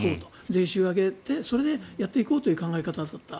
税収を上げてそれでやっていこうというやり方だった。